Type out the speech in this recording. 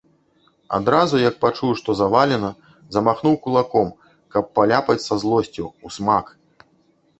Адразу, як пачуў, што завалена, замахнуў кулаком, каб паляпаць са злосцю, усмак.